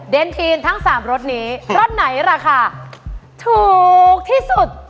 ทีนทั้ง๓รสนี้รสไหนราคาถูกที่สุด